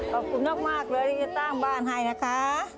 ขอบคุณมากเลยจะตั้งบ้านให้นะคะ